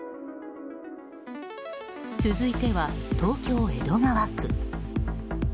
続いては東京・江戸川区。